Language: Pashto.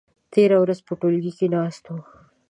تېره ورځ په ټولګي کې ناست وو.